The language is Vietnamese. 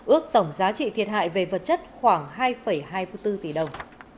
ước tổng giá trị thiệt hại về vật chất khoảng hai hai mươi bốn tỷ đồng